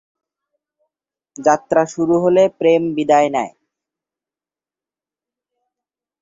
যাত্রা শুরু হলে প্রেম বিদায় নেয়।